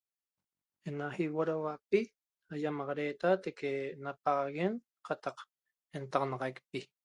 Ena iboroguapi aiamagreta teque napaxaguen cataq entaxanaxaiqpi